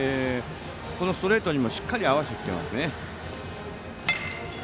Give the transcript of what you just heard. このストレートにもしっかり合わせてますね。